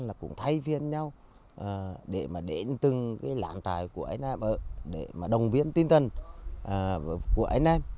anh em cũng thay viên nhau để đến từng làn tài của anh em để đồng viên tinh thần của anh em